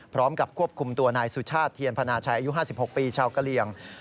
พร้อมกับควบคุมตัวนายสุชาติเทียนพนาชัยอายุ๕๖ปีชาวกะเหลี่ยง